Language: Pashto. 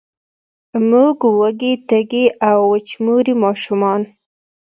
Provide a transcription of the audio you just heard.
موږ وږې، تږې او، وچموري ماشومان